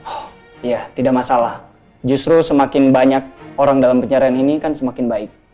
oh iya tidak masalah justru semakin banyak orang dalam pencarian ini kan semakin baik